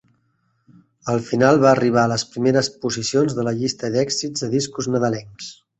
Al final va arribar a les primeres posicions de la llista d'èxits de discos nadalencs.